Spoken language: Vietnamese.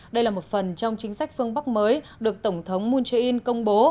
đây là một phần trong chính sách phương bắc mới được tổng thống moon jae in công bố